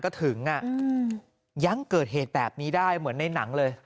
ก็ถึงอ่ะยังเกิดเหตุแบบนี้ได้เหมือนในหนังเลย